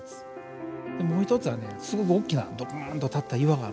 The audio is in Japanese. もう一つはねすごく大きなドカンと立った岩があるんですよ。